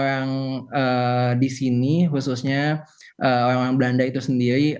yang di sini khususnya orang orang belanda itu sendiri